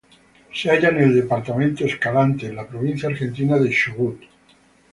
Se halla en el departamento Escalante, en la provincia argentina del Chubut.